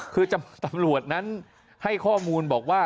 คือตำรวจนั้นให้ข้อมูลบอกว่า